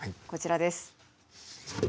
こちらです。